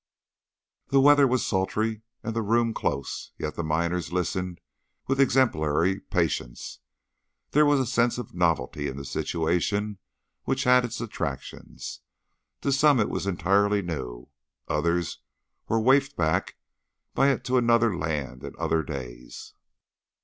The weather was sultry and the room close, yet the miners listened with exemplary patience. There was a sense of novelty in the situation which had its attractions. To some it was entirely new, others were wafted back by it to another land and other days.